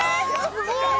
すごーい！